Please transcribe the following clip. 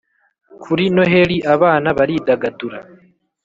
Kur noheli abana baridagadura